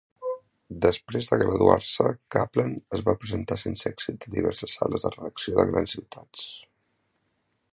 Després de graduar-se, Kaplan es va presentar sense èxit a diverses sales de redacció de grans ciutats.